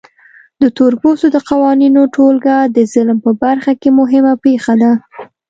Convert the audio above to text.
د تورپوستو د قوانینو ټولګه د ظلم په برخه کې مهمه پېښه ده.